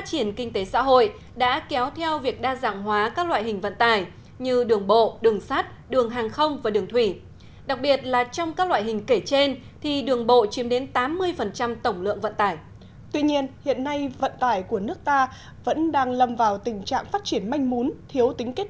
các bạn hãy đăng ký kênh để ủng hộ kênh của chúng mình nhé